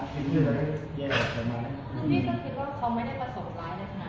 คุณผู้ชายคิดว่าเขาไม่ได้ประสบอะไรนะ